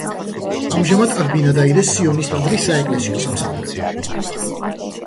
ამჟამად აქ ბინა დაიდეს სიონის ტაძრის საეკლესიო სამსახურებმა.